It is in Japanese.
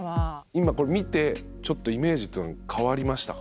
今これ見てちょっとイメージっていうの変わりましたか。